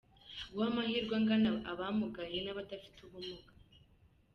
guha amahirwe angana abamugaye n’abadafite ubumuga